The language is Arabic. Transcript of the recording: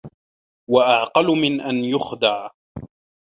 وَأَعْقَلَ مِنْ أَنْ يُخْدَعَ